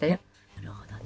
なるほどね。